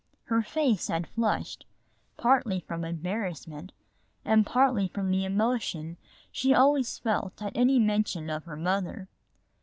Her face had flushed, partly from embarrassment and partly from the emotion she always felt at any mention of her mother.